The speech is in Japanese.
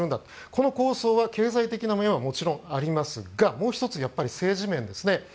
この構造は経済的な面はもちろんありますがもう１つはやはり政治面ですね。